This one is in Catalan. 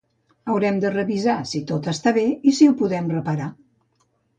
Haurem de revisar si tot està bé i si ho podem reparar.